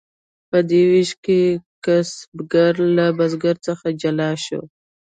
په دې ویش کې کسبګر له بزګر څخه جلا شو.